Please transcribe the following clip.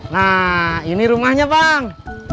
nah ini rumahnya bang